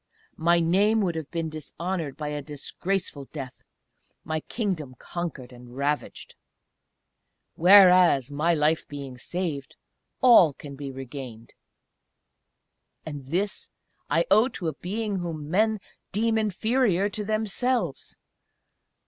My name would have been dishonoured by a disgraceful death, my Kingdom conquered and ravaged whereas, my life being saved, all can be regained. And this I owe to a being whom men deem inferior to themselves!